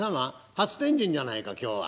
初天神じゃないか今日は。